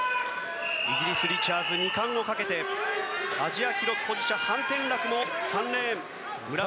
イギリス、リチャーズ２冠をかけてアジア記録保持者ハン・テンラクも３レーン。